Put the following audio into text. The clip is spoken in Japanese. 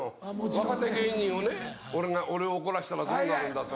若手芸人をね俺を怒らせたらどうなるんだとか。